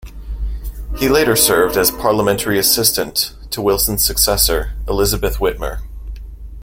He later served as Parliamentary Assistant to Wilson's successor, Elizabeth Witmer.